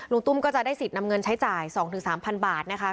ตุ้มก็จะได้สิทธิ์นำเงินใช้จ่าย๒๓๐๐บาทนะคะ